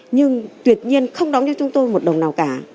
nhưng tuyệt nhiên không đóng cho chúng tôi một đồng nào cả